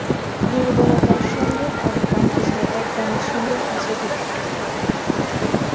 দুর্বলতার সঙ্গে অজ্ঞান আসে, অজ্ঞানের সঙ্গে আসে দুঃখ।